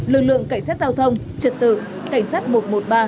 lực lượng cải sát xã hội đối tượng chủ yếu là các hành vi vi phạm trên tuyến giao thông